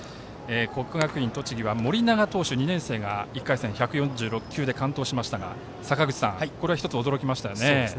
国学院栃木は盛永投手、２年生が１回戦１４６球で完投しましたがこれは１つ驚きましたよね。